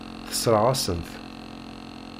Tessṛeɣ-asen-t.